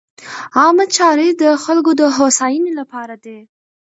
عامه چارې د خلکو د هوساینې لپاره دي.